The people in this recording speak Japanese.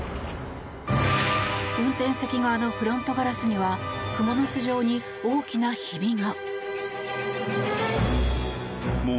運転席側のフロントガラスにはクモの巣状に大きなひびが。